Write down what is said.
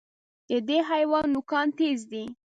د دې حیوان نوکان تېز دي.